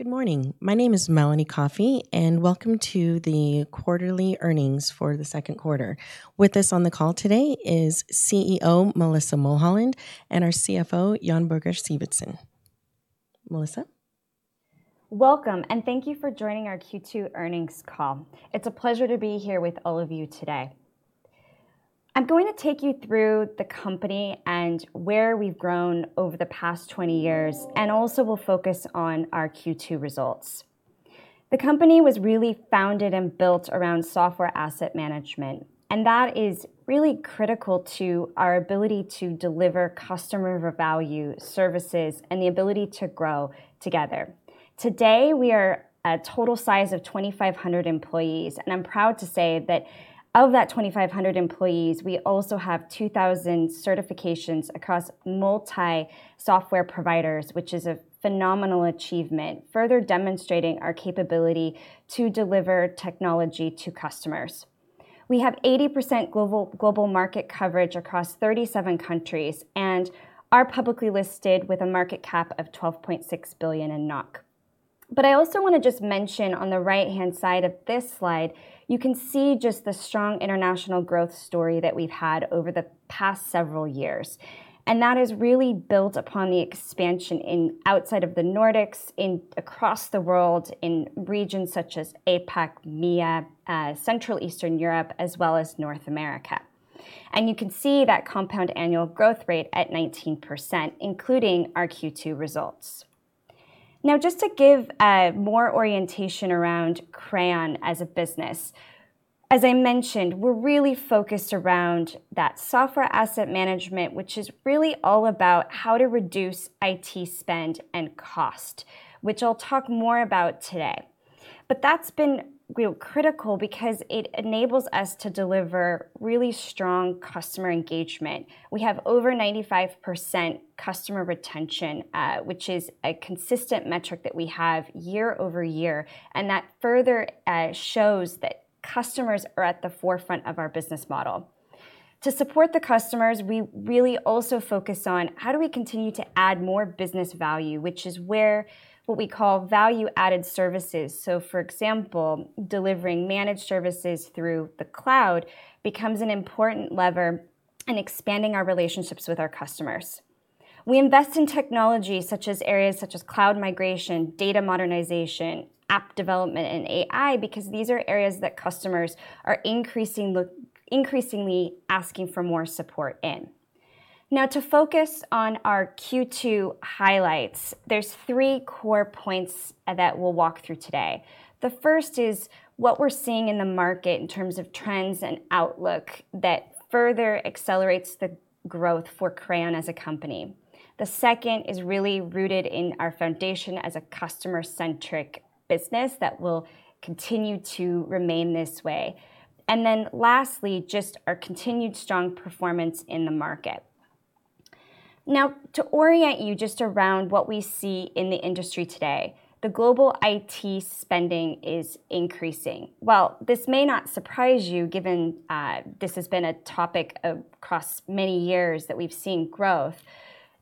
Good morning. My name is Melanie Coffee. Welcome to the quarterly earnings for the 2nd quarter. With us on the call today is CEO Melissa Mulholland and our CFO, Jon Birger Syvertsen. Melissa? Welcome, and thank you for joining our Q2 earnings call. It's a pleasure to be here with all of you today. I'm going to take you through the company and where we've grown over the past 20 years, and also will focus on our Q2 results. The company was really founded and built around software asset management, and that is really critical to our ability to deliver customer value, services, and the ability to grow together. Today, we are a total size of 2,500 employees, and I'm proud to say that of that 2,500 employees, we also have 2,000 certifications across multi-software providers, which is a phenomenal achievement, further demonstrating our capability to deliver technology to customers. We have 80% global market coverage across 37 countries and are publicly listed with a market cap of 12.6 billion. I also want to just mention on the right-hand side of this slide, you can see just the strong international growth story that we've had over the past several years. That is really built upon the expansion outside of the Nordics and across the world in regions such as APAC, MEA, Central Eastern Europe, as well as North America. You can see that compound annual growth rate at 19%, including our Q2 results. Now, just to give more orientation around Crayon as a business, as I mentioned, we're really focused around that software asset management, which is really all about how to reduce IT spend and cost, which I'll talk more about today. That's been real critical because it enables us to deliver really strong customer engagement. We have over 95% customer retention, which is a consistent metric that we have year-over-year, and that further shows that customers are at the forefront of our business model. To support the customers, we really also focus on how do we continue to add more business value, which is where what we call value-added services. For example, delivering managed services through the cloud becomes an important lever in expanding our relationships with our customers. We invest in technology such as areas such as cloud migration, data modernization, app development, and AI because these are areas that customers are increasingly asking for more support in. To focus on our Q2 highlights, there's three core points that we'll walk through today. The first is what we're seeing in the market in terms of trends and outlook that further accelerates the growth for Crayon as a company. The second is really rooted in our foundation as a customer-centric business that will continue to remain this way. Lastly, just our continued strong performance in the market. Now, to orient you just around what we see in the industry today, the global IT spending is increasing. While this may not surprise you given this has been a topic across many years that we've seen growth,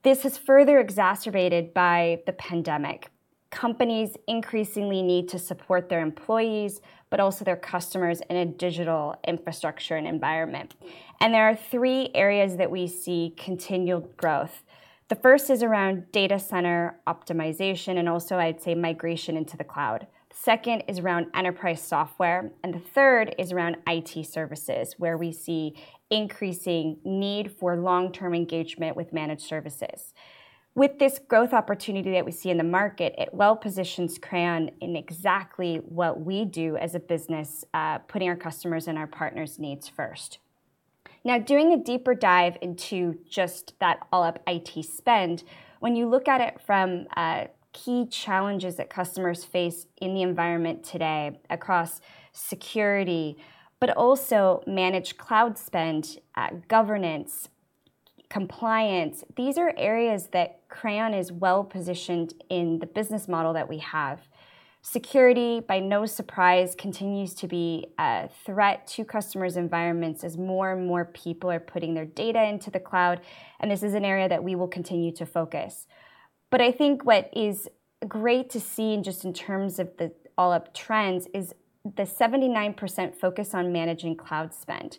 this is further exacerbated by the pandemic. Companies increasingly need to support their employees, but also their customers in a digital infrastructure and environment. There are three areas that we see continual growth. The first is around data center optimization and also I'd say migration into the cloud. Second is around enterprise software. The third is around IT services where we see increasing need for long-term engagement with managed services. With this growth opportunity that we see in the market, it well positions Crayon in exactly what we do as a business, putting our customers and our partners' needs first. Now doing a deeper dive into just that all-up IT spend, when you look at it from key challenges that customers face in the environment today across security, also managed cloud spend, governance, compliance, these are areas that Crayon is well-positioned in the business model that we have. Security, by no surprise, continues to be a threat to customers' environments as more and more people are putting their data into the cloud, and this is an area that we will continue to focus. I think what is great to see just in terms of the all-up trends is the 79% focus on managing cloud spend.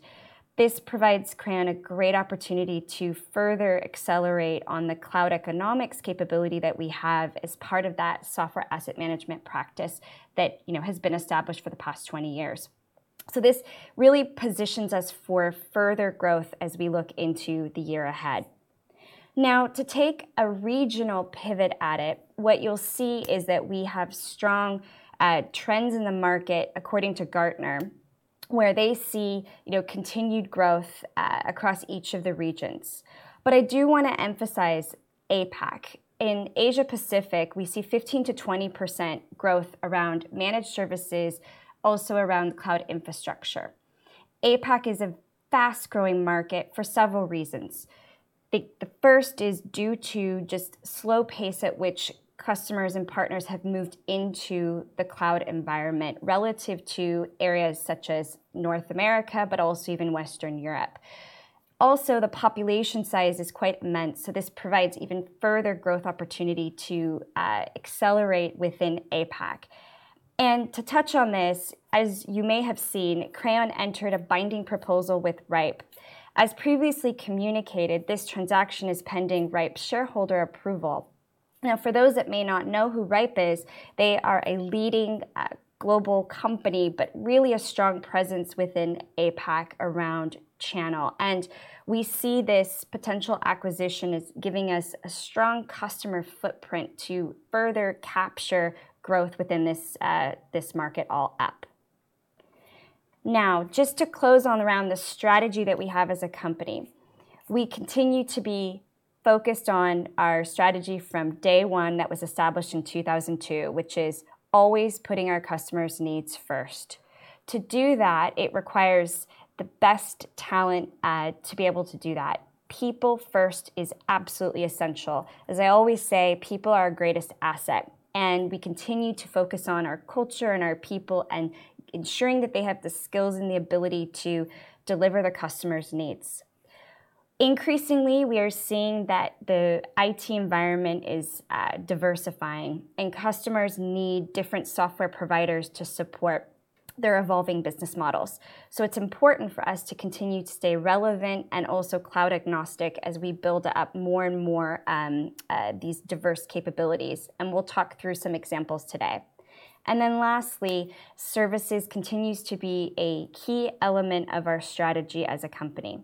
This provides Crayon a great opportunity to further accelerate on the cloud economics capability that we have as part of that software asset management practice that has been established for the past 20 years. This really positions us for further growth as we look into the year ahead. Now, to take a regional pivot at it, what you will see is that we have strong trends in the market according to Gartner, where they see continued growth across each of the regions. I do want to emphasize APAC. In Asia Pacific, we see 15%-20% growth around managed services, also around cloud infrastructure. APAC is a fast-growing market for several reasons. The first is due to just slow pace at which customers and partners have moved into the cloud environment relative to areas such as North America, but also even Western Europe. The population size is quite immense, so this provides even further growth opportunity to accelerate within APAC. To touch on this, as you may have seen, Crayon entered a binding proposal with rhipe. As previously communicated, this transaction is pending rhipe shareholder approval. For those that may not know who rhipe is, they are a leading global company, but really a strong presence within APAC around channel. We see this potential acquisition as giving us a strong customer footprint to further capture growth within this market all up. Just to close on around the strategy that we have as a company. We continue to be focused on our strategy from day one that was established in 2002, which is always putting our customers' needs first. To do that, it requires the best talent to be able to do that. People first is absolutely essential. As I always say, people are our greatest asset, and we continue to focus on our culture and our people and ensuring that they have the skills and the ability to deliver the customer's needs. Increasingly, we are seeing that the IT environment is diversifying, and customers need different software providers to support their evolving business models. It's important for us to continue to stay relevant and also cloud agnostic as we build up more and more these diverse capabilities, and we'll talk through some examples today. Lastly, services continues to be a key element of our strategy as a company.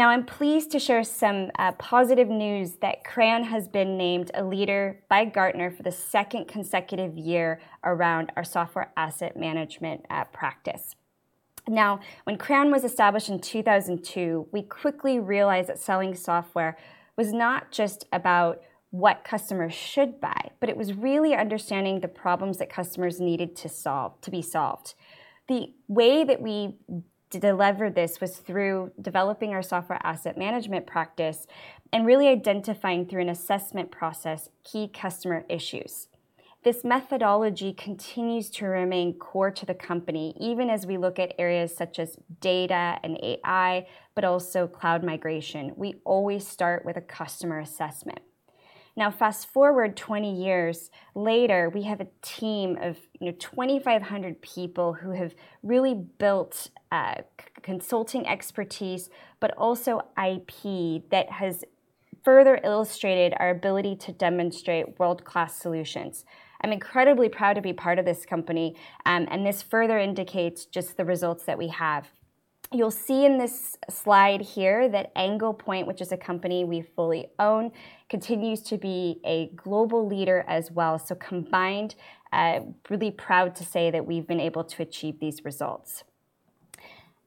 I'm pleased to share some positive news that Crayon has been named a leader by Gartner for the second consecutive year around our software asset management practice. When Crayon was established in 2002, we quickly realized that selling software was not just about what customers should buy, but it was really understanding the problems that customers needed to be solved. The way that we delivered this was through developing our software asset management practice and really identifying through an assessment process key customer issues. This methodology continues to remain core to the company, even as we look at areas such as data and AI, but also cloud migration. We always start with a customer assessment. Fast-forward 20 years later, we have a team of 2,500 people who have really built consulting expertise, but also IP that has further illustrated our ability to demonstrate world-class solutions. I'm incredibly proud to be part of this company, and this further indicates just the results that we have. You'll see in this slide here that Anglepoint, which is a company we fully own, continues to be a global leader as well. Combined, really proud to say that we've been able to achieve these results.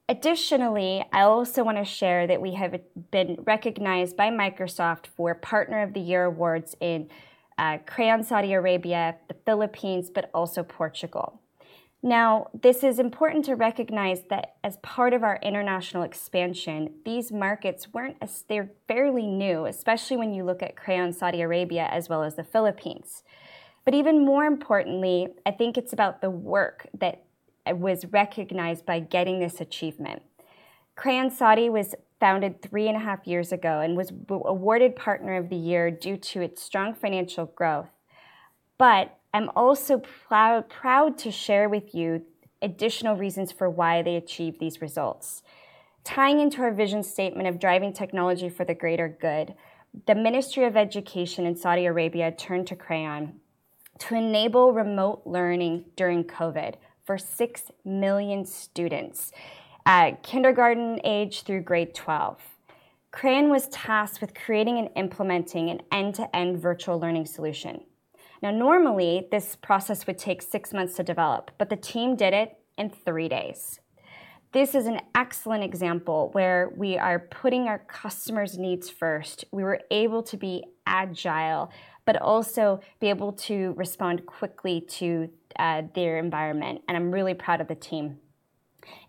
Additionally, I also want to share that we have been recognized by Microsoft for Partner of the Year Awards in Crayon Saudi Arabia, the Philippines, but also Portugal. This is important to recognize that as part of our international expansion, these markets they're fairly new, especially when you look at Crayon Saudi Arabia as well as the Philippines. Even more importantly, I think it's about the work that was recognized by getting this achievement. Crayon Saudi was founded three and a half years ago and was awarded Partner of the Year due to its strong financial growth. I'm also proud to share with you additional reasons for why they achieved these results. Tying into our vision statement of driving technology for the greater good, the Ministry of Education in Saudi Arabia turned to Crayon to enable remote learning during COVID for six million students, kindergarten age through grade 12. Crayon was tasked with creating and implementing an end-to-end virtual learning solution. Now, normally, this process would take six months to develop, but the team did it in three days. This is an excellent example where we are putting our customer's needs first. We were able to be agile, but also be able to respond quickly to their environment, and I'm really proud of the team.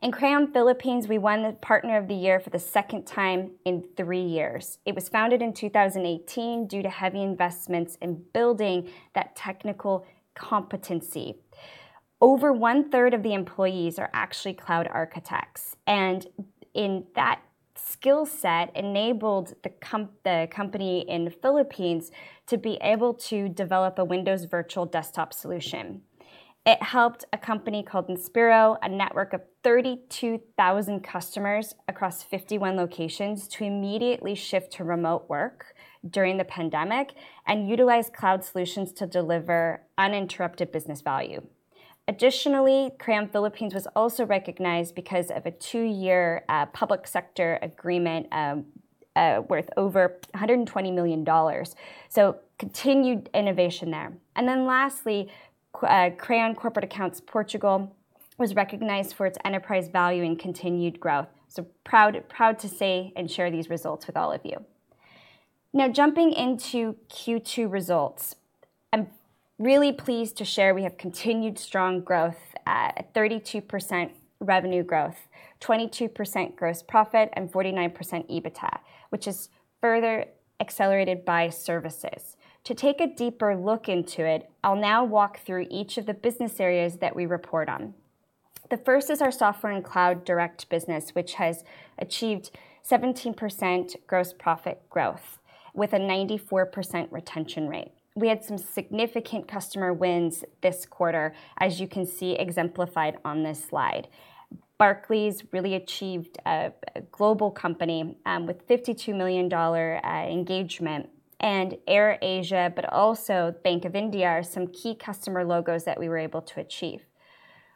In Crayon Philippines, we won the Partner of the Year for the second time in three years. It was founded in 2018 due to heavy investments in building that technical competency. Over one-third of the employees are actually cloud architects, and in that skill set enabled the company in the Philippines to be able to develop a Windows virtual desktop solution. It helped a company called Inspiro, a network of 32,000 customers across 51 locations, to immediately shift to remote work during the pandemic and utilize cloud solutions to deliver uninterrupted business value. Additionally, Crayon Philippines was also recognized because of a two-year public sector agreement worth over $120 million. Continued innovation there. Lastly, Crayon Corporate Accounts Portugal was recognized for its enterprise value and continued growth. Proud to say and share these results with all of you. Now jumping into Q2 results. I'm really pleased to share we have continued strong growth at 32% revenue growth, 22% gross profit, and 49% EBITDA, which is further accelerated by services. To take a deeper look into it, I'll now walk through each of the business areas that we report on. The first is our software and cloud direct business, which has achieved 17% gross profit growth with a 94% retention rate. We had some significant customer wins this quarter, as you can see exemplified on this slide. Barclays really achieved a global company with NOK 52 million engagement and AirAsia, but also Bank of India are some key customer logos that we were able to achieve.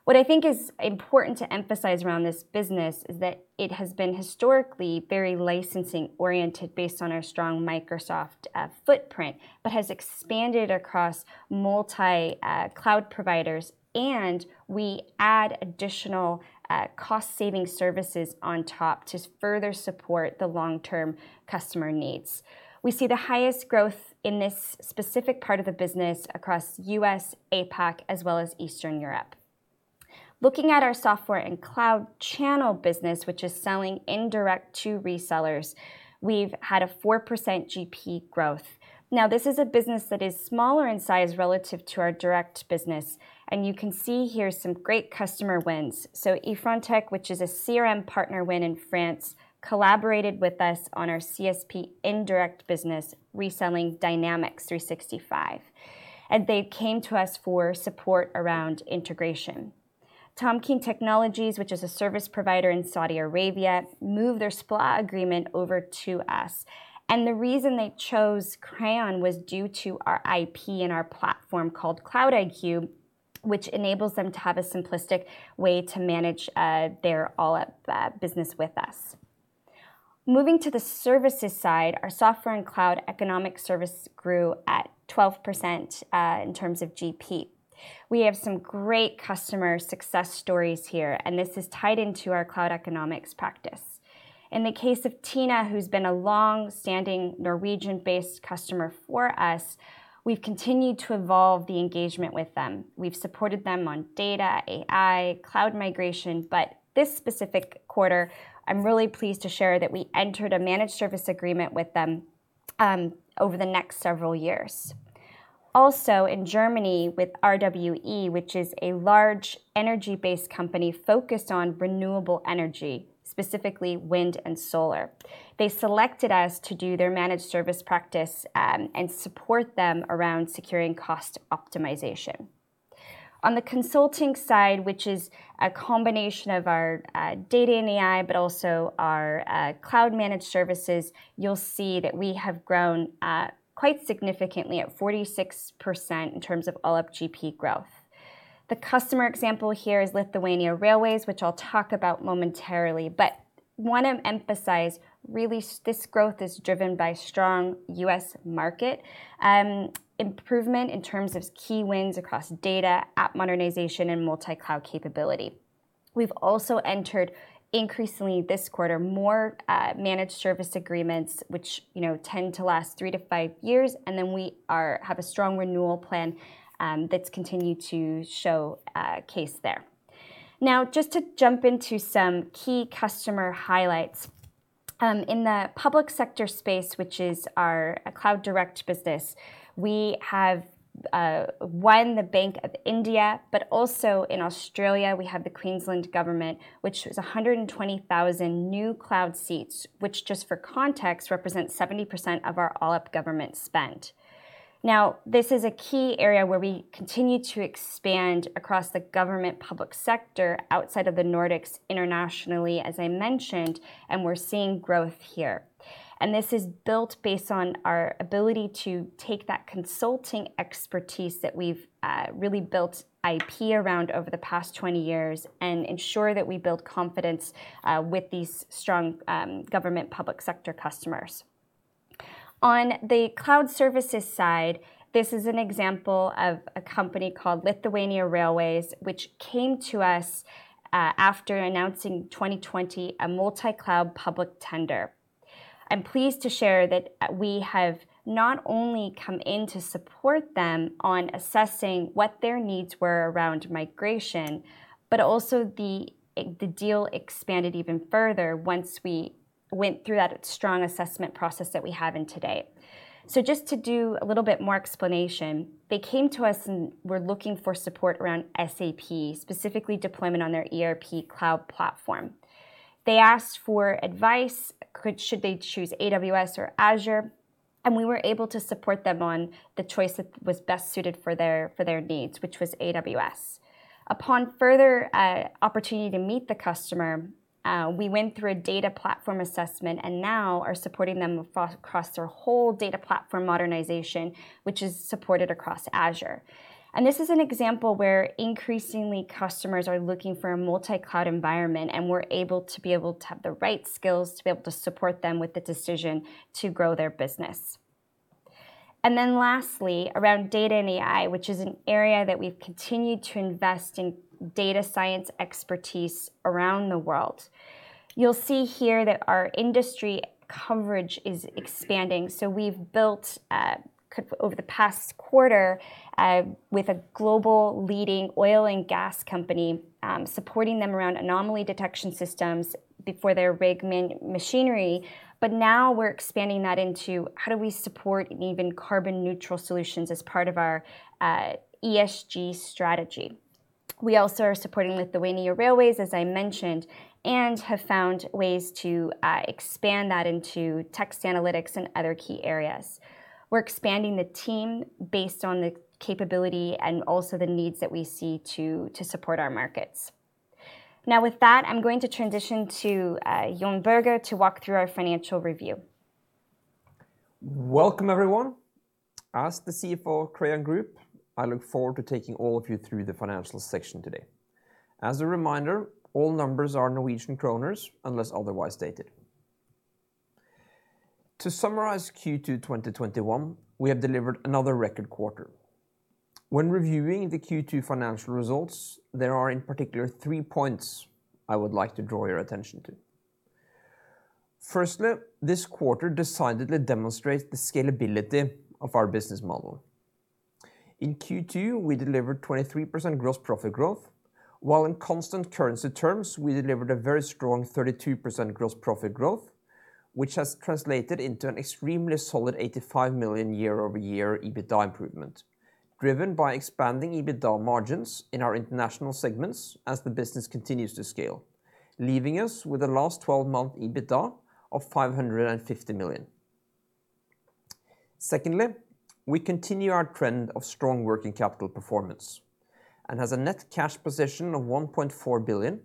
What I think is important to emphasize around this business is that it has been historically very licensing-oriented based on our strong Microsoft footprint, but has expanded across multi-cloud providers, and we add additional cost-saving services on top to further support the long-term customer needs. We see the highest growth in this specific part of the business across U.S., APAC, as well as Eastern Europe. Looking at our software and cloud channel business, which is selling indirect to resellers, we've had a 4% GP growth. This is a business that is smaller in size relative to our direct business, and you can see here some great customer wins. eFrontech, which is a CRM partner win in France, collaborated with us on our CSP indirect business reselling Dynamics 365, and they came to us for support around integration. Tamkeen Technologies, which is a service provider in Saudi Arabia, moved their SPLA agreement over to us, and the reason they chose Crayon was due to our IP and our platform called Cloud-iQ, which enables them to have a simplistic way to manage their all-up business with us. Moving to the services side, our software and cloud economic service grew at 12% in terms of GP. We have some great customer success stories here, and this is tied into our cloud economics practice. In the case of TINE, who's been a long-standing Norwegian-based customer for us, we've continued to evolve the engagement with them. We've supported them on data, AI, cloud migration, but this specific quarter, I'm really pleased to share that we entered a managed service agreement with them over the next several years. Also, in Germany, with RWE, which is a large energy-based company focused on renewable energy, specifically wind and solar. They selected us to do their managed services practice and support them around securing cost optimization. On the consulting side, which is a combination of our data and AI, but also our cloud-managed services, you'll see that we have grown quite significantly at 46% in terms of all-up GP growth. The customer example here is Lithuanian Railways, which I'll talk about momentarily, but want to emphasize really this growth is driven by strong U.S. market improvement in terms of key wins across data, app modernization, and multi-cloud capability. We've also entered increasingly this quarter, more managed services agreements, which tend to last three to five years, and then we have a strong renewal plan that's continued to showcase there. Now, just to jump into some key customer highlights. In the public sector space, which is our cloud direct business, we have won the Bank of India, but also in Australia, we have the Queensland Government, which was 120,000 new cloud seats, which just for context, represents 70% of our all-up government spend. Now, this is a key area where we continue to expand across the government public sector outside of the Nordics internationally, as I mentioned, and we're seeing growth here. This is built based on our ability to take that consulting expertise that we've really built IP around over the past 20 years and ensure that we build confidence with these strong government public sector customers. On the cloud services side, this is an example of a company called Lithuanian Railways, which came to us after announcing 2020 a multi-cloud public tender. I'm pleased to share that we have not only come in to support them on assessing what their needs were around migration, but also the deal expanded even further once we went through that strong assessment process that we have in today. Just to do a little bit more explanation, they came to us and were looking for support around SAP, specifically deployment on their ERP cloud platform. They asked for advice. Should they choose AWS or Azure? We were able to support them on the choice that was best suited for their needs, which was AWS. Upon further opportunity to meet the customer, we went through a data platform assessment and now are supporting them across their whole data platform modernization, which is supported across Azure. This is an example where increasingly customers are looking for a multi-cloud environment, and we're able to have the right skills to be able to support them with the decision to grow their business. Lastly, around data and AI, which is an area that we've continued to invest in data science expertise around the world. You'll see here that our industry coverage is expanding. We've built over the past quarter with a global leading oil and gas company, supporting them around anomaly detection systems before their rig machinery. Now we're expanding that into how do we support even carbon neutral solutions as part of our ESG strategy. We also are supporting Lithuanian Railways, as I mentioned, and have found ways to expand that into text analytics and other key areas. We're expanding the team based on the capability and also the needs that we see to support our markets. With that, I'm going to transition to Jon Birger to walk through our financial review. Welcome, everyone. As the CFO of Crayon Group, I look forward to taking all of you through the financial section today. As a reminder, all numbers are Norwegian kroner unless otherwise stated. To summarize Q2 2021, we have delivered another record quarter. When reviewing the Q2 financial results, there are in particular three points I would like to draw your attention to. Firstly, this quarter decidedly demonstrates the scalability of our business model. In Q2, we delivered 23% gross profit growth, while in constant currency terms, we delivered a very strong 32% gross profit growth, which has translated into an extremely solid 85 million year-over-year EBITDA improvement, driven by expanding EBITDA margins in our international segments as the business continues to scale, leaving us with a last 12-month EBITDA of 550 million. We continue our trend of strong working capital performance and has a net cash position of 1.4 billion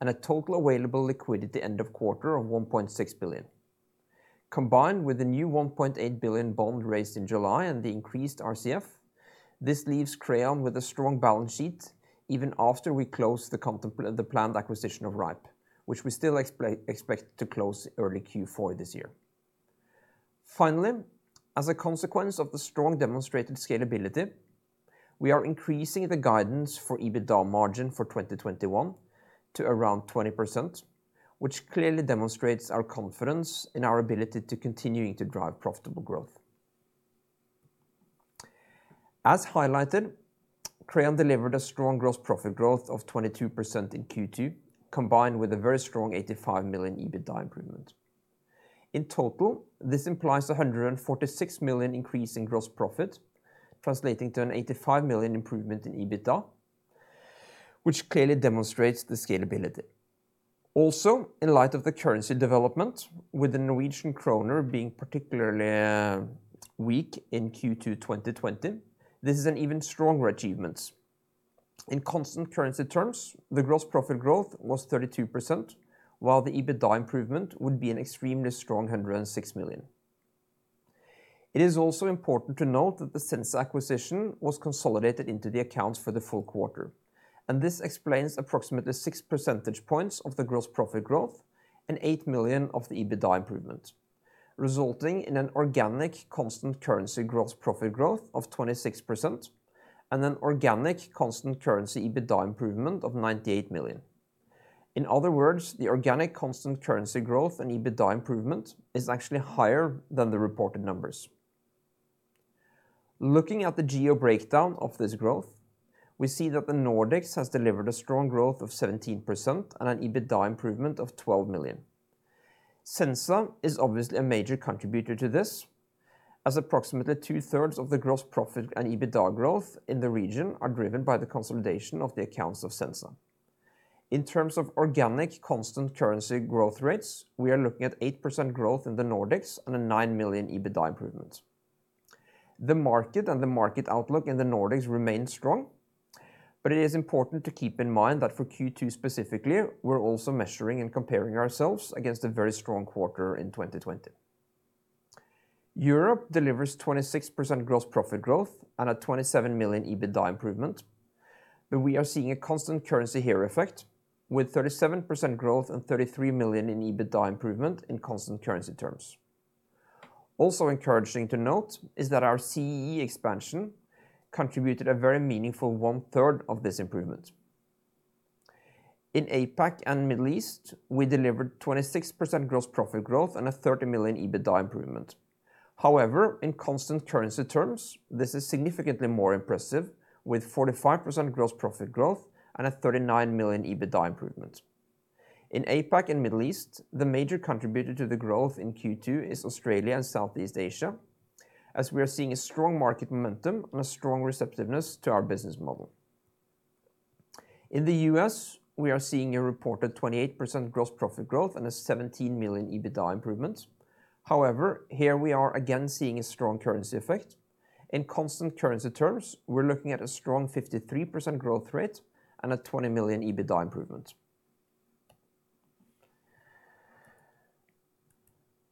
and a total available liquidity end of quarter of 1.6 billion. Combined with the new 1.8 billion bond raised in July and the increased RCF, this leaves Crayon with a strong balance sheet even after we close the planned acquisition of rhipe, which we still expect to close early Q4 this year. As a consequence of the strong demonstrated scalability, we are increasing the guidance for EBITDA margin for 2021 to around 20%, which clearly demonstrates our confidence in our ability to continuing to drive profitable growth. As highlighted, Crayon delivered a strong gross profit growth of 22% in Q2, combined with a very strong 85 million EBITDA improvement. In total, this implies 146 million increase in gross profit, translating to a 85 million improvement in EBITDA, which clearly demonstrates the scalability. In light of the currency development, with the Norwegian kroner being particularly weak in Q2 2020, this is an even stronger achievement. In constant currency terms, the gross profit growth was 32%, while the EBITDA improvement would be an extremely strong 106 million. It is also important to note that the Sensa acquisition was consolidated into the accounts for the full quarter, and this explains approximately six percentage points of the gross profit growth and 8 million of the EBITDA improvement, resulting in an organic constant currency gross profit growth of 26% and an organic constant currency EBITDA improvement of 98 million. In other words, the organic constant currency growth and EBITDA improvement is actually higher than the reported numbers. Looking at the geo breakdown of this growth, we see that the Nordics has delivered a strong growth of 17% and an EBITDA improvement of 12 million. Sensa is obviously a major contributor to this, as approximately two-thirds of the gross profit and EBITDA growth in the region are driven by the consolidation of the accounts of Sensa. In terms of organic constant currency growth rates, we are looking at 8% growth in the Nordics and a 9 million EBITDA improvement. The market and the market outlook in the Nordics remains strong, but it is important to keep in mind that for Q2 specifically, we are also measuring and comparing ourselves against a very strong quarter in 2020. Europe delivers 26% gross profit growth and a 27 million EBITDA improvement, but we are seeing a constant currency here effect with 37% growth and 33 million in EBITDA improvement in constant currency terms. Also encouraging to note is that our CEE expansion contributed a very meaningful one-third of this improvement. In APAC and Middle East, we delivered 26% gross profit growth and a 30 million EBITDA improvement. However, in constant currency terms, this is significantly more impressive, with 45% gross profit growth and a 39 million EBITDA improvement. In APAC and Middle East, the major contributor to the growth in Q2 is Australia and Southeast Asia, as we are seeing a strong market momentum and a strong receptiveness to our business model. In the U.S., we are seeing a reported 28% gross profit growth and a 17 million EBITDA improvement. However, here we are again seeing a strong currency effect. In constant currency terms, we're looking at a strong 53% growth rate and a 20 million EBITDA improvement.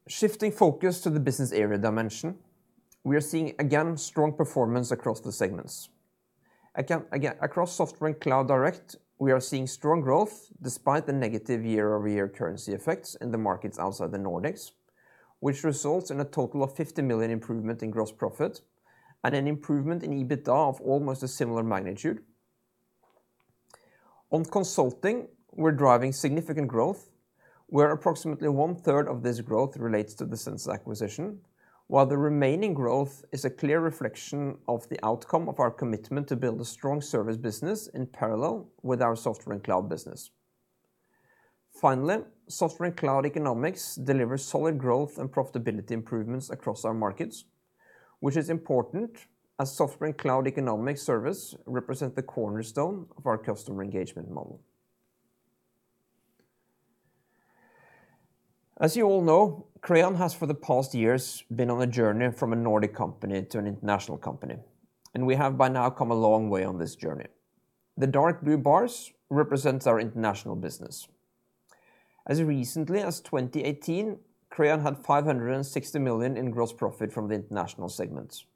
Shifting focus to the business area dimension, we are seeing again strong performance across the segments. Again, across software and cloud direct, we are seeing strong growth despite the negative year-over-year currency effects in the markets outside the Nordics, which results in a total of 50 million improvement in gross profit and an improvement in EBITDA of almost a similar magnitude. On consulting, we're driving significant growth, where approximately one-third of this growth relates to the Sensa acquisition, while the remaining growth is a clear reflection of the outcome of our commitment to build a strong service business in parallel with our software and cloud business. Software and cloud economics delivers solid growth and profitability improvements across our markets, which is important as software and cloud economic service represent the cornerstone of our customer engagement model. As you all know, Crayon has, for the past years, been on a journey from a Nordic company to an international company. We have by now come a long way on this journey. The dark blue bars represents our international business. As recently as 2018, Crayon had 560 million in gross profit from the international segments,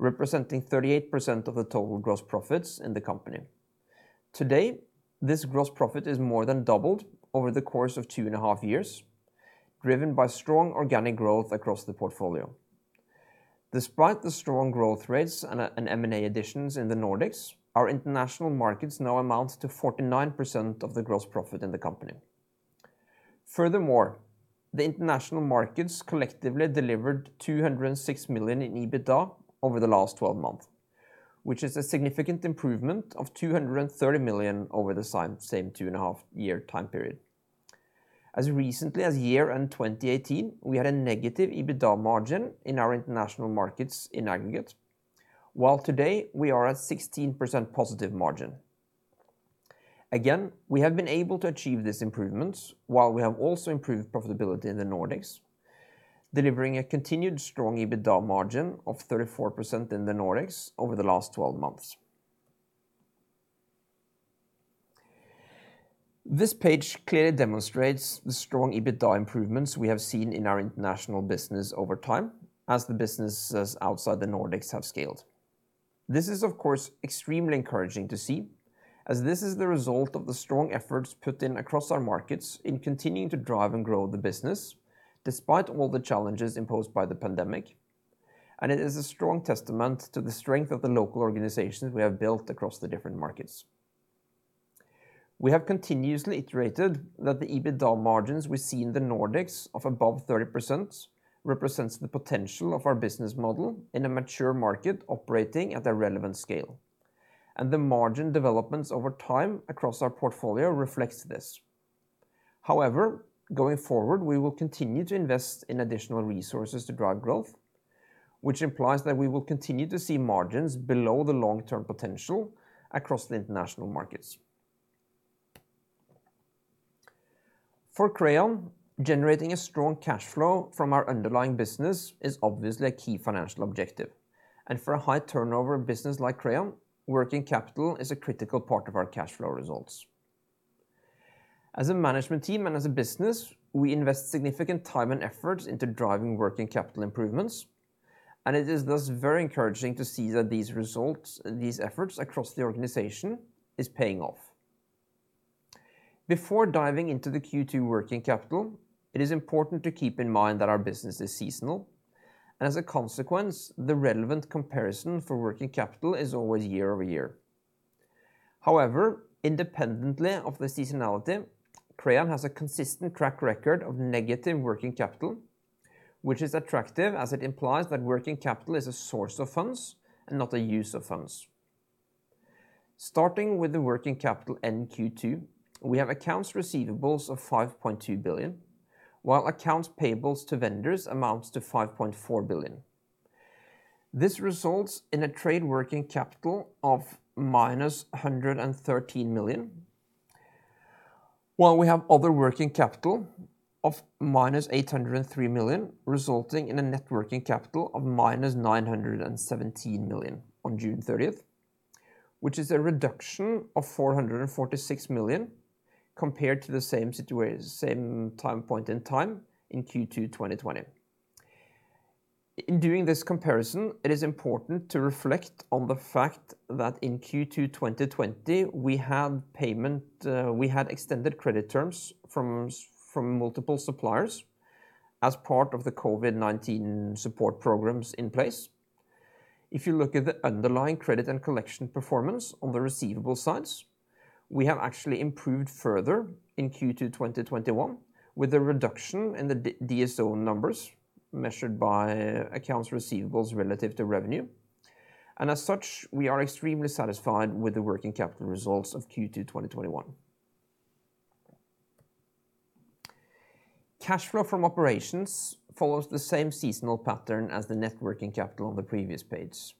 representing 38% of the total gross profits in the company. Today, this gross profit is more than doubled over the course of 2.5 years, driven by strong organic growth across the portfolio. Despite the strong growth rates and M&A additions in the Nordics, our international markets now amount to 49% of the gross profit in the company. Furthermore, the international markets collectively delivered 206 million in EBITDA over the last 12 months, which is a significant improvement of 230 million over the same 2.5-year time period. As recently as year-end 2018, we had a negative EBITDA margin in our international markets in aggregate, while today we are at 16% positive margin. Again, we have been able to achieve these improvements while we have also improved profitability in the Nordics, delivering a continued strong EBITDA margin of 34% in the Nordics over the last 12 months. This page clearly demonstrates the strong EBITDA improvements we have seen in our international business over time as the businesses outside the Nordics have scaled. This is, of course, extremely encouraging to see, as this is the result of the strong efforts put in across our markets in continuing to drive and grow the business despite all the challenges imposed by the pandemic, and it is a strong testament to the strength of the local organizations we have built across the different markets. We have continuously iterated that the EBITDA margins we see in the Nordics of above 30% represents the potential of our business model in a mature market operating at a relevant scale. The margin developments over time across our portfolio reflects this. However, going forward, we will continue to invest in additional resources to drive growth, which implies that we will continue to see margins below the long-term potential across the international markets. For Crayon, generating a strong cash flow from our underlying business is obviously a key financial objective. For a high-turnover business like Crayon, working capital is a critical part of our cash flow results. As a management team and as a business, we invest significant time and effort into driving working capital improvements, and it is thus very encouraging to see that these efforts across the organization is paying off. Before diving into the Q2 working capital, it is important to keep in mind that our business is seasonal, and as a consequence, the relevant comparison for working capital is always year-over-year. However, independently of the seasonality, Crayon has a consistent track record of negative working capital, which is attractive as it implies that working capital is a source of funds and not a use of funds. Starting with the working capital in Q2, we have accounts receivables of 5.2 billion, while accounts payables to vendors amounts to 5.4 billion. This results in a trade working capital of -113 million, while we have other working capital of -803 million, resulting in a net working capital of -917 million on June 30th, which is a reduction of 446 million compared to the same time point in time in Q2 2020. In doing this comparison, it is important to reflect on the fact that in Q2 2020, we had extended credit terms from multiple suppliers as part of the COVID-19 support programs in place. If you look at the underlying credit and collection performance on the receivable sides, we have actually improved further in Q2 2021 with a reduction in the DSO numbers measured by accounts receivables relative to revenue. As such, we are extremely satisfied with the working capital results of Q2 2021. Cash flow from operations follows the same seasonal pattern as the net working capital on the previous page,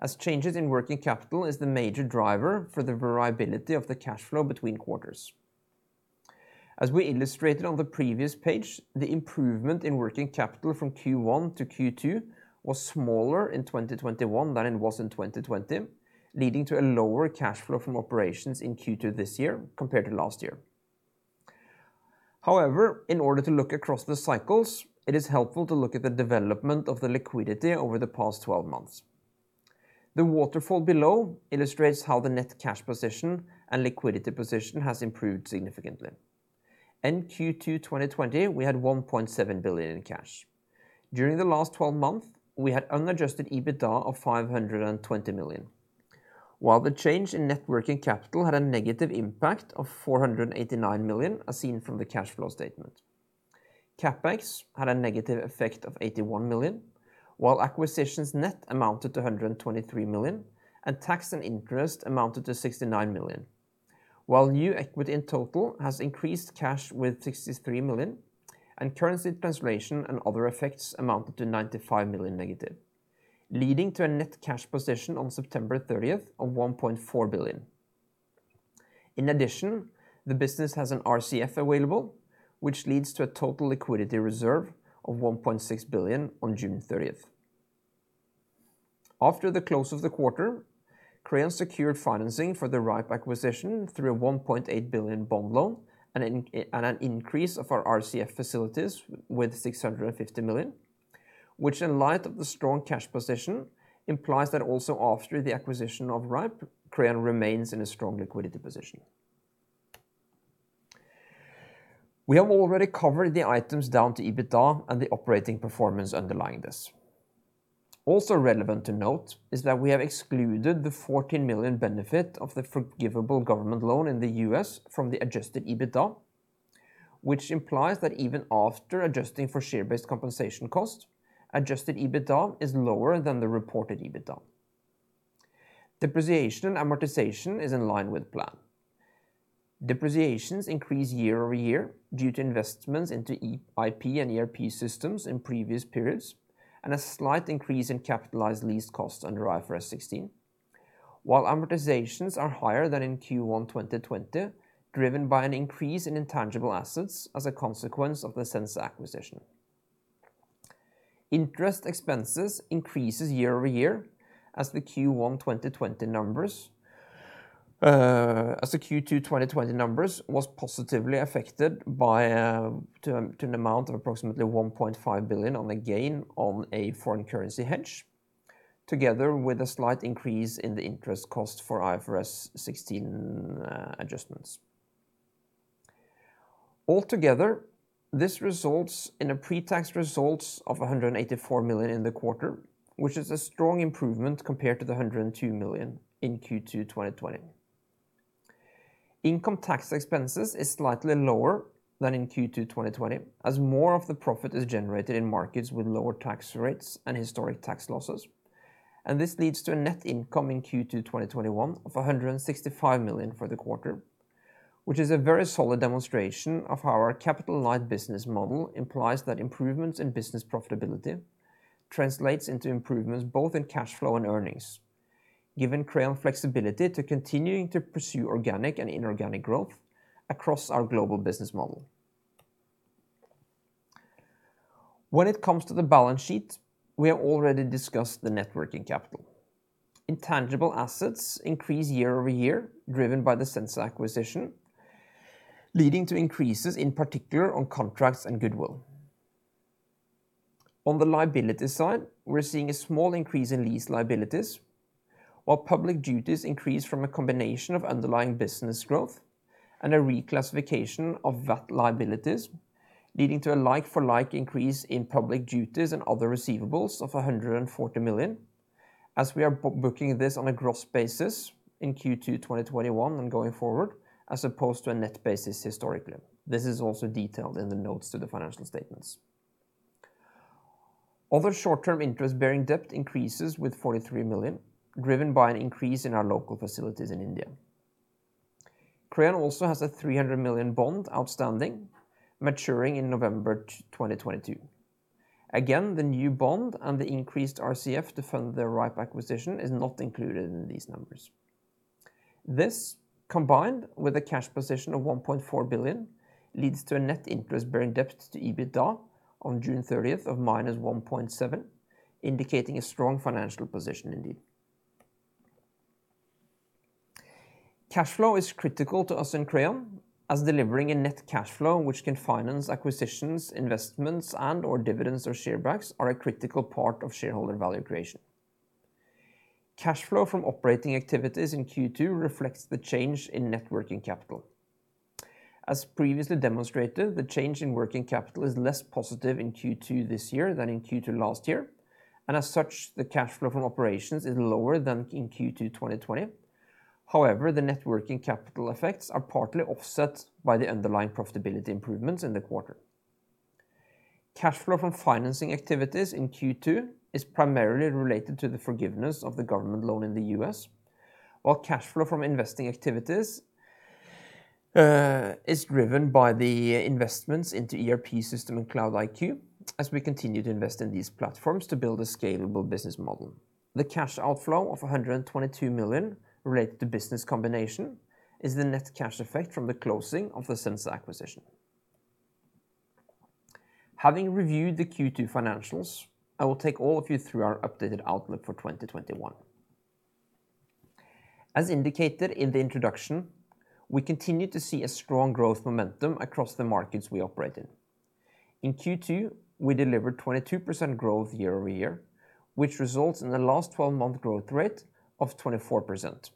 as changes in working capital is the major driver for the variability of the cash flow between quarters. As we illustrated on the previous page, the improvement in working capital from Q1 to Q2 was smaller in 2021 than it was in 2020, leading to a lower cash flow from operations in Q2 this year compared to last year. However, in order to look across the cycles, it is helpful to look at the development of the liquidity over the past 12 months. The waterfall below illustrates how the net cash position and liquidity position has improved significantly. In Q2 2020, we had 1.7 billion in cash. During the last 12 months, we had unadjusted EBITDA of 520 million, while the change in net working capital had a negative impact of 489 million as seen from the cash flow statement. CapEx had a negative effect of 81 million, while acquisitions net amounted to 123 million, and tax and interest amounted to 69 million. New equity in total has increased cash with 63 million, and currency translation and other effects amounted to 95 million negative, leading to a net cash position on September 30th of 1.4 billion. In addition, the business has an RCF available, which leads to a total liquidity reserve of 1.6 billion on June 30th. After the close of the quarter, Crayon secured financing for the rhipe acquisition through a 1.8 billion bond loan and an increase of our RCF facilities with 650 million, which in light of the strong cash position, implies that also after the acquisition of rhipe, Crayon remains in a strong liquidity position. We have already covered the items down to EBITDA and the operating performance underlying this. Also relevant to note is that we have excluded the 14 million benefit of the forgivable government loan in the U.S. from the adjusted EBITDA, which implies that even after adjusting for share-based compensation cost, adjusted EBITDA is lower than the reported EBITDA. Depreciation amortization is in line with plan. Depreciations increase year over year due to investments into IP and ERP systems in previous periods, and a slight increase in capitalized lease costs under IFRS 16. While amortizations are higher than in Q1 2020, driven by an increase in intangible assets as a consequence of the Sensa acquisition. Interest expenses increases year over year as the Q2 2020 numbers was positively affected to an amount of approximately 1.5 billion on a gain on a foreign currency hedge, together with a slight increase in the interest cost for IFRS 16 adjustments. Altogether, this results in a pre-tax results of 184 million in the quarter, which is a strong improvement compared to the 102 million in Q2 2020. Income tax expenses is slightly lower than in Q2 2020, as more of the profit is generated in markets with lower tax rates and historic tax losses. This leads to a net income in Q2 2021 of 165 million for the quarter, which is a very solid demonstration of how our capital-light business model implies that improvements in business profitability translates into improvements both in cash flow and earnings, giving Crayon flexibility to continuing to pursue organic and inorganic growth across our global business model. When it comes to the balance sheet, we have already discussed the net working capital. Intangible assets increase year-over-year, driven by the Sensa acquisition, leading to increases in particular on contracts and goodwill. On the liability side, we are seeing a small increase in lease liabilities, while public duties increase from a combination of underlying business growth and a reclassification of VAT liabilities, leading to a like-for-like increase in public duties and other receivables of 140 million, as we are booking this on a gross basis in Q2 2021 and going forward, as opposed to a net basis historically. This is also detailed in the notes to the financial statements. Other short-term interest-bearing debt increases with 43 million, driven by an increase in our local facilities in India. Crayon also has a 300 million bond outstanding, maturing in November 2022. Again, the new bond and the increased RCF to fund the rhipe acquisition is not included in these numbers. This, combined with a cash position of 1.4 billion, leads to a net interest-bearing debt to EBITDA on June 30 of -1.7, indicating a strong financial position indeed. Cash flow is critical to us in Crayon, as delivering a net cash flow which can finance acquisitions, investments, and/or dividends or share backs are a critical part of shareholder value creation. Cash flow from operating activities in Q2 reflects the change in net working capital. As previously demonstrated, the change in working capital is less positive in Q2 this year than in Q2 last year. As such, the cash flow from operations is lower than in Q2 2020. However, the net working capital effects are partly offset by the underlying profitability improvements in the quarter. Cash flow from financing activities in Q2 is primarily related to the forgiveness of the government loan in the U.S. While cash flow from investing activities is driven by the investments into ERP system and Cloud-iQ, as we continue to invest in these platforms to build a scalable business model. The cash outflow of 122 million related to business combination is the net cash effect from the closing of the Sensa acquisition. Having reviewed the Q2 financials, I will take all of you through our updated outlook for 2021. As indicated in the introduction, we continue to see a strong growth momentum across the markets we operate in. In Q2, we delivered 22% growth year-over-year, which results in the last 12-month growth rate of 24%.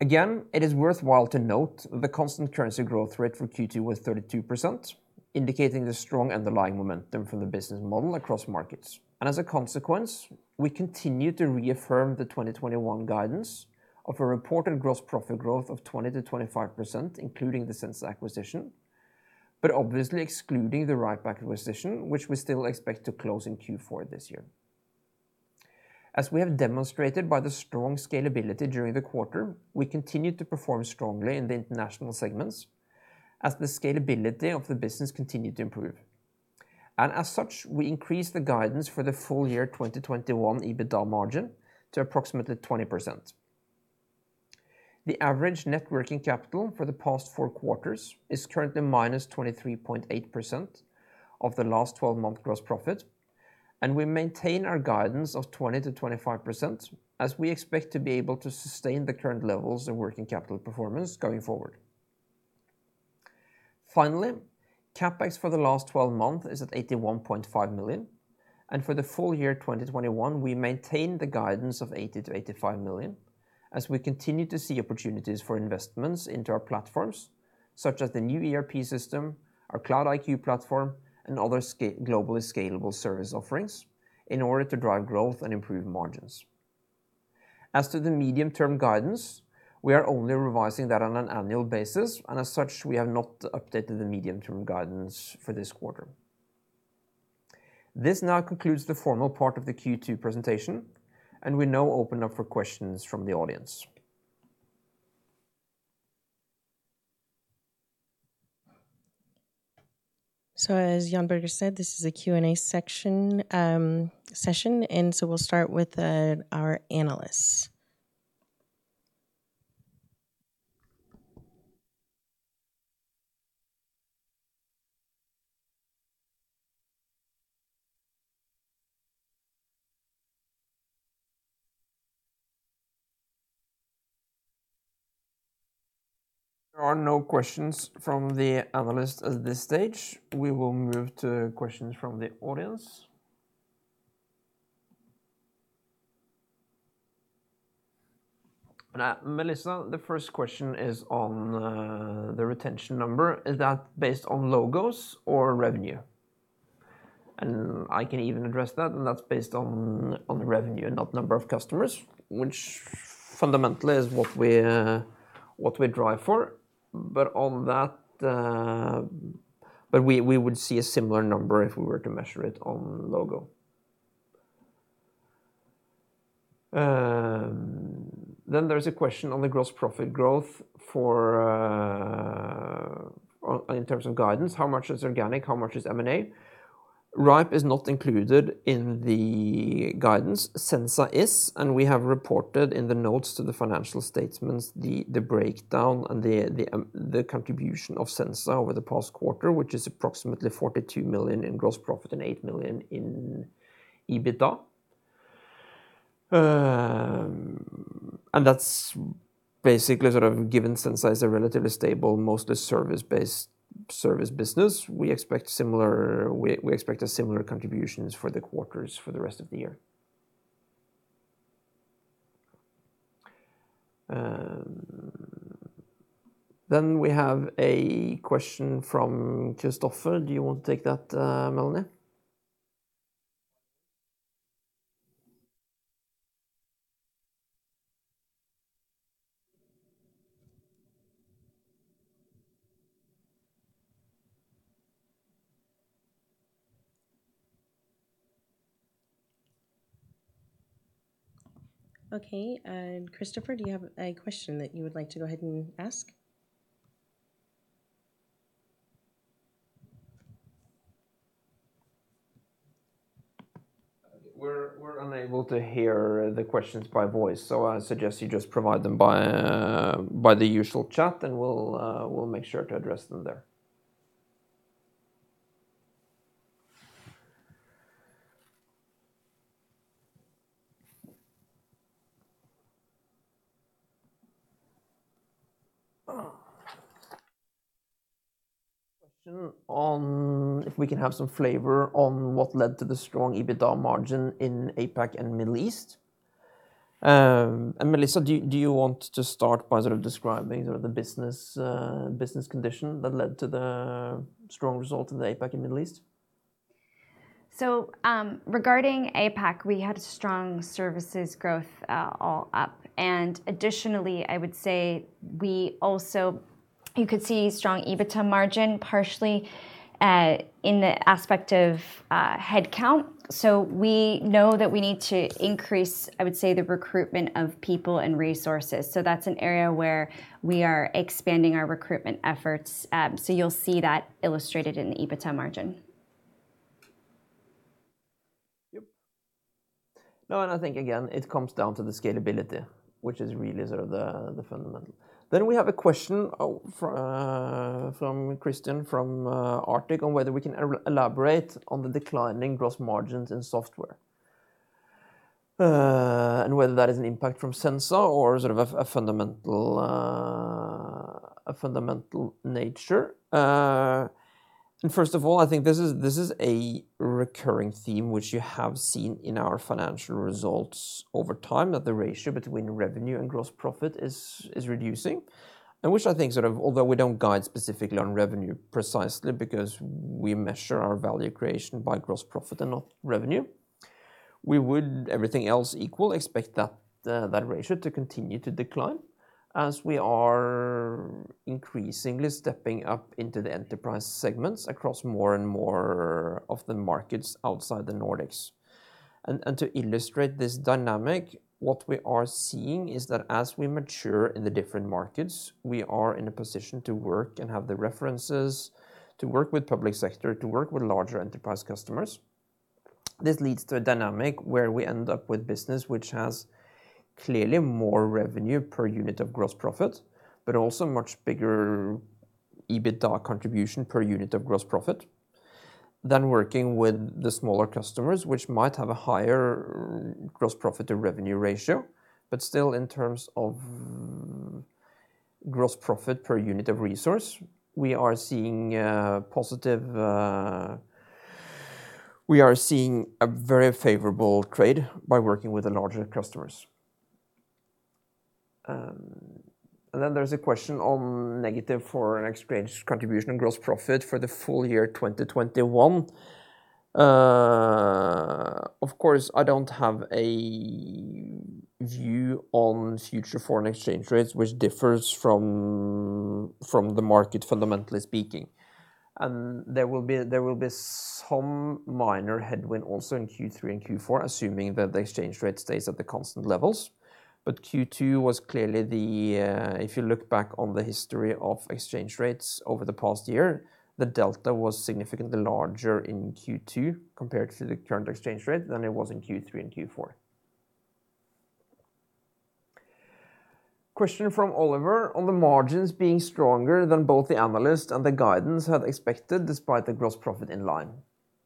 Again, it is worthwhile to note the constant currency growth rate for Q2 was 32%. Indicating the strong underlying momentum from the business model across markets. As a consequence, we continue to reaffirm the 2021 guidance of a reported gross profit growth of 20%-25%, including the Sensa acquisition, but obviously excluding the rhipe acquisition, which we still expect to close in Q4 this year. As we have demonstrated by the strong scalability during the quarter, we continued to perform strongly in the international segments as the scalability of the business continued to improve. As such, we increased the guidance for the full year 2021 EBITDA margin to approximately 20%. The average net working capital for the past four quarters is currently -23.8% of the last 12-month gross profit, and we maintain our guidance of 20%-25% as we expect to be able to sustain the current levels of working capital performance going forward. Finally, CapEx for the last 12 months is at 81.5 million, and for the full year 2021, we maintain the guidance of 80 million-85 million as we continue to see opportunities for investments into our platforms, such as the new ERP system, our Cloud-iQ platform, and other globally scalable service offerings in order to drive growth and improve margins. As to the medium-term guidance, we are only revising that on an annual basis, and as such, we have not updated the medium-term guidance for this quarter. This now concludes the formal part of the Q2 presentation, and we now open up for questions from the audience. As Jon Birger Syvertsen said, this is a Q&A session, and so we'll start with our analysts. There are no questions from the analysts at this stage. We will move to questions from the audience. Melissa, the first question is on the retention number. Is that based on logos or revenue? I can even address that, and that's based on revenue, not number of customers, which fundamentally is what we drive for. We would see a similar number if we were to measure it on logo. There's a question on the gross profit growth in terms of guidance. How much is organic? How much is M&A? rhipe is not included in the guidance. Sensa is, and we have reported in the notes to the financial statements the breakdown and the contribution of Sensa over the past quarter, which is approximately 42 million in gross profit and 8 million in EBITDA. That's basically given Sensa is a relatively stable, mostly service-based service business. We expect similar contributions for the quarters for the rest of the year. We have a question from Christopher. Do you want to take that, Melanie? Okay. Christopher, do you have a question that you would like to go ahead and ask? We're unable to hear the questions by voice, so I suggest you just provide them by the usual chat, and we'll make sure to address them there. Question on if we can have some flavor on what led to the strong EBITDA margin in APAC and Middle East. Melissa, do you want to start by describing the business condition that led to the strong result in the APAC and Middle East? Regarding APAC, we had strong services growth all up. Additionally, I would say you could see strong EBITDA margin partially in the aspect of headcount. We know that we need to increase, I would say, the recruitment of people and resources. That's an area where we are expanding our recruitment efforts. You'll see that illustrated in the EBITDA margin. Yep. No, I think, again, it comes down to the scalability, which is really the fundamental. We have a question from Christian from Arctic on whether we can elaborate on the declining gross margins in software, whether that is an impact from Sensa or a fundamental nature. First of all, I think this is a recurring theme, which you have seen in our financial results over time, that the ratio between revenue and gross profit is reducing. Which I think, although we don't guide specifically on revenue precisely because we measure our value creation by gross profit and not revenue, we would, everything else equal, expect that ratio to continue to decline as we are increasingly stepping up into the enterprise segments across more and more of the markets outside the Nordics. To illustrate this dynamic, what we are seeing is that as we mature in the different markets, we are in a position to work and have the references to work with public sector, to work with larger enterprise customers. This leads to a dynamic where we end up with business which has clearly more revenue per unit of gross profit, but also much bigger EBITDA contribution per unit of gross profit than working with the smaller customers, which might have a higher gross profit to revenue ratio. Still, in terms of gross profit per unit of resource, we are seeing a very favorable trade by working with the larger customers. Then there's a question on negative foreign exchange contribution and gross profit for the full year 2021. Of course, I don't have a view on future foreign exchange rates, which differs from the market, fundamentally speaking. There will be some minor headwind also in Q3 and Q4, assuming that the exchange rate stays at the constant levels. Q2 was clearly the If you look back on the history of exchange rates over the past year, the delta was significantly larger in Q2 compared to the current exchange rate than it was in Q3 and Q4. Question from Oliver on the margins being stronger than both the analyst and the guidance had expected, despite the gross profit in line.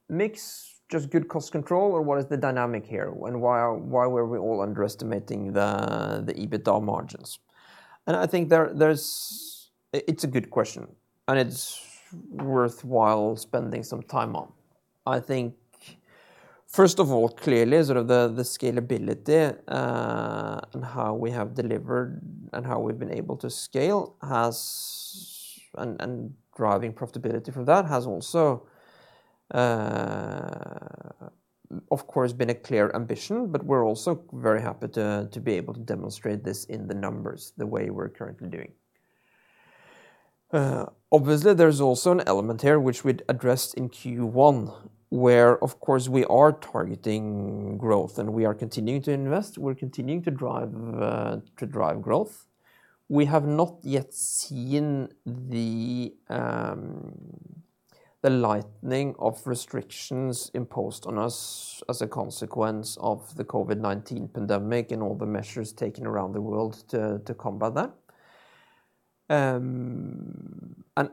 Mix just good cost control, or what is the dynamic here, and why were we all underestimating the EBITDA margins? I think it's a good question, and it's worthwhile spending some time on. I think, first of all, clearly, the scalability and how we have delivered and how we've been able to scale and driving profitability from that has also, of course, been a clear ambition, but we're also very happy to be able to demonstrate this in the numbers the way we're currently doing. Obviously, there's also an element here which we'd addressed in Q1, where, of course, we are targeting growth, and we are continuing to invest, we're continuing to drive growth. We have not yet seen the lightening of restrictions imposed on us as a consequence of the COVID-19 pandemic and all the measures taken around the world to combat that.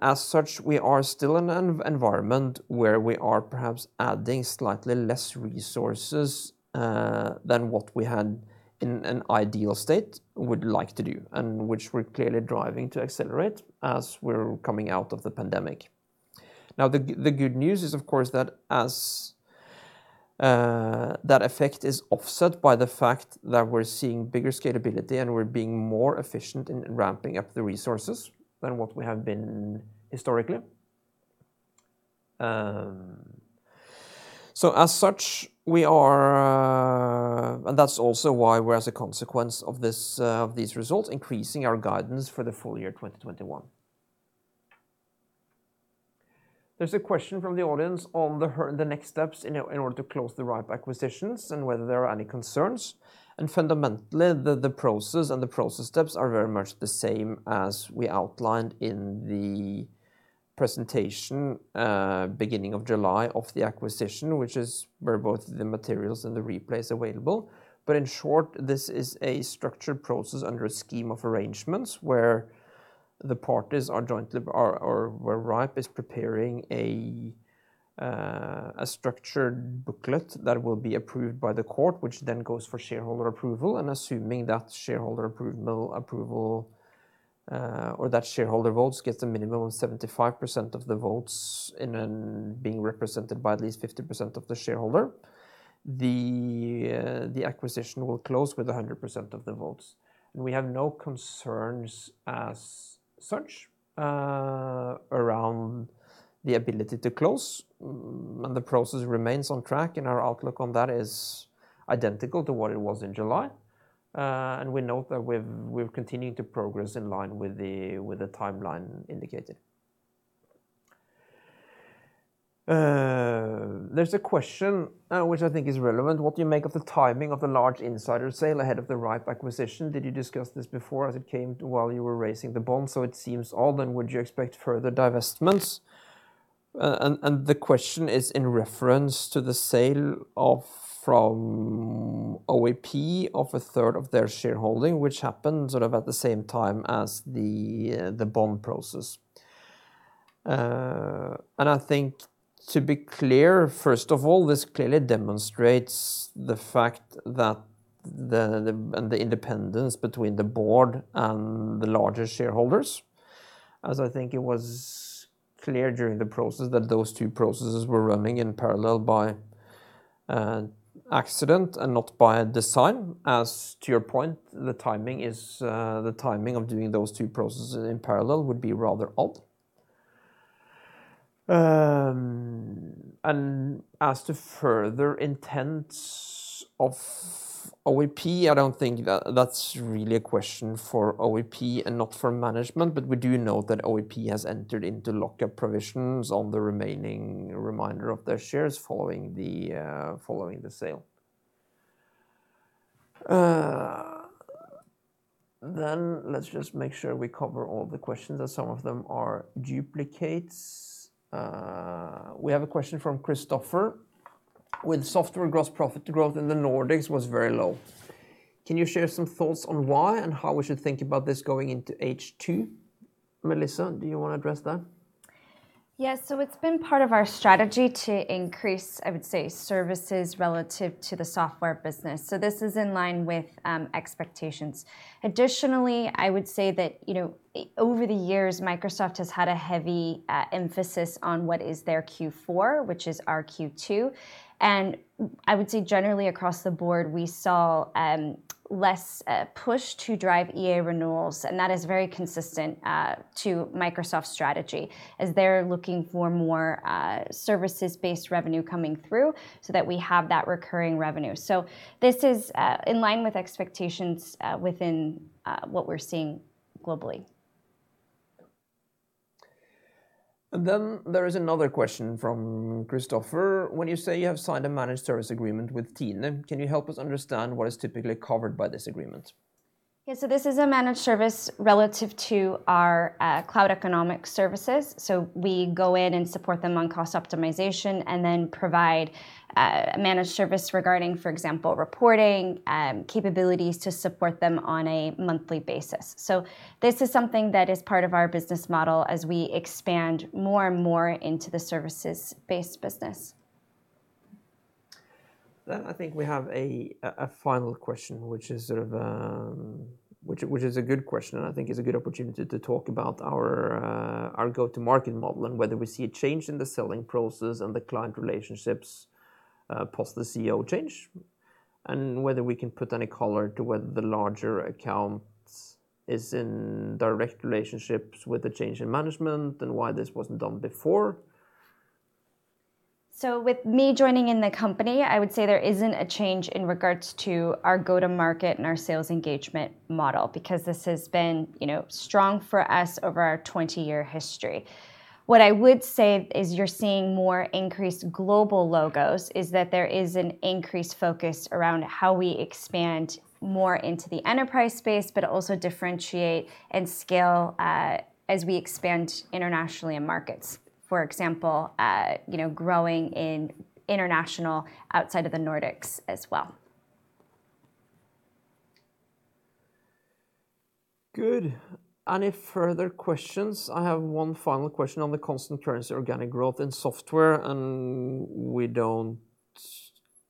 As such, we are still in an environment where we are perhaps adding slightly less resources than what we had in an ideal state would like to do, and which we're clearly driving to accelerate as we're coming out of the pandemic. The good news is, of course, that that effect is offset by the fact that we're seeing bigger scalability, and we're being more efficient in ramping up the resources than what we have been historically. That's also why we're, as a consequence of these results, increasing our guidance for the full year 2021. There's a question from the audience on the next steps in order to close the rhipe acquisitions and whether there are any concerns. Fundamentally, the process and the process steps are very much the same as we outlined in the presentation beginning of July of the acquisition, where both the materials and the replays available. In short, this is a structured process under a scheme of arrangement where rhipe is preparing a structured booklet that will be approved by the court, which then goes for shareholder approval, and assuming that shareholder approval, or that shareholder votes gets a minimum of 75% of the votes in being represented by at least 50% of the shareholder. The acquisition will close with 100% of the votes. We have no concerns as such around the ability to close, and the process remains on track, and our outlook on that is identical to what it was in July. We note that we've continued to progress in line with the timeline indicated. There's a question which I think is relevant. What do you make of the timing of the large insider sale ahead of the rhipe acquisition? Did you discuss this before as it came while you were raising the bond, so it seems odd, and would you expect further divestments? The question is in reference to the sale from OEP of a third of their shareholding, which happened sort of at the same time as the bond process. I think to be clear, first of all, this clearly demonstrates the fact that the independence between the board and the larger shareholders, as I think it was clear during the process that those two processes were running in parallel by accident and not by design, as to your point, the timing of doing those two processes in parallel would be rather odd. As to further intents of OEP, I don't think that's really a question for OEP and not for management. We do know that OEP has entered into lockup provisions on the remaining remainder of their shares following the sale. Let's just make sure we cover all the questions, as some of them are duplicates. We have a question from Christopher. "With software gross profit growth in the Nordics was very low. Can you share some thoughts on why and how we should think about this going into H2? Melissa, do you want to address that? Yes. It's been part of our strategy to increase, I would say, services relative to the software business. This is in line with expectations. Additionally, I would say that over the years, Microsoft has had a heavy emphasis on what is their Q4, which is our Q2. I would say, generally across the board, we saw less push to drive EA renewals, and that is very consistent to Microsoft's strategy, as they're looking for more services-based revenue coming through so that we have that recurring revenue. This is in line with expectations within what we're seeing globally. There is another question from Christopher. "When you say you have signed a managed service agreement with TINE, can you help us understand what is typically covered by this agreement? Yeah, this is a managed service relative to our cloud economic services. We go in and support them on cost optimization, and then provide managed service regarding, for example, reporting capabilities to support them on a monthly basis. This is something that is part of our business model as we expand more and more into the services-based business. I think we have a final question, which is a good question, and I think is a good opportunity to talk about our go-to-market model, and whether we see a change in the selling process and the client relationships post the CEO change. Whether we can put any color to whether the larger accounts is in direct relationships with the change in management, and why this wasn't done before. With me joining in the company, I would say there isn't a change in regards to our go-to-market and our sales engagement model, because this has been strong for us over our 20-year history. What I would say is you're seeing more increased global logos, is that there is an increased focus around how we expand more into the enterprise space, but also differentiate and scale as we expand internationally in markets. For example, growing in international, outside of the Nordics as well. Good. Any further questions? I have one final question on the constant currency organic growth in software. We don't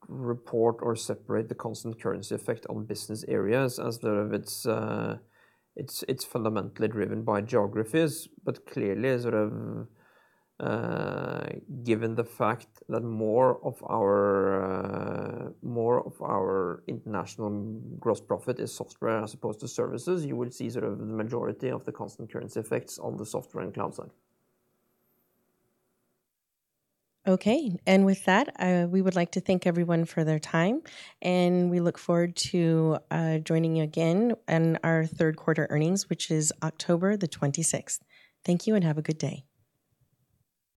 report or separate the constant currency effect on business areas, as it's fundamentally driven by geographies. Clearly, given the fact that more of our international gross profit is software as opposed to services, you will see the majority of the constant currency effects on the software and cloud side. Okay. With that, we would like to thank everyone for their time, and we look forward to joining you again on our 3rd quarter earnings, which is October 26th. Thank you, and have a good day.